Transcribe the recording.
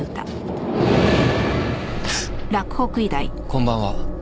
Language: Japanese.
こんばんは。